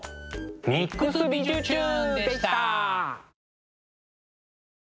「ＭＩＸびじゅチューン！」でした。